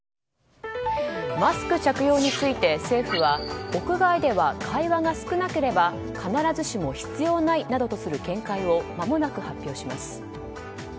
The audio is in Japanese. マスク着用について政府は屋外では会話が少なければ必ずしも必要ないなどとする見解をまもなく発表します。